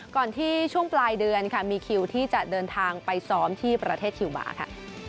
ก่อนที่ช่วงปลายเดือนค่ะมีคิวที่จะเดินทางไปซ้อมที่ประเทศคิวบาร์ค่ะ